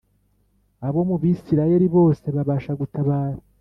Abo mu Bisirayeli bose babasha gutabara